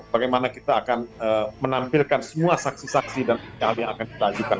bagaimana kita akan menampilkan semua saksi saksi dan ikhb yang akan kita ajukan